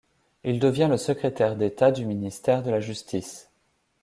Il devient le secrétaire d'État du ministère de la Justice.